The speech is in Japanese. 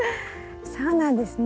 そうなんですね。